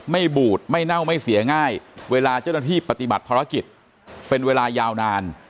บูดไม่เน่าไม่เสียง่ายเวลาเจ้าหน้าที่ปฏิบัติภารกิจเป็นเวลายาวนาน